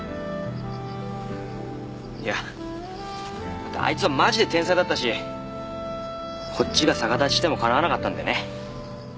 いやだってあいつはマジで天才だったしこっちが逆立ちしてもかなわなかったんでね。